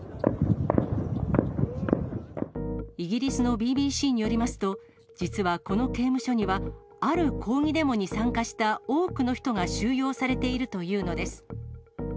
イギリスのＢＢＣによりますと、実はこの刑務所には、ある抗議デモに参加した多くの人が収容されているというのです。